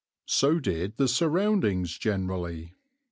So did the surroundings generally.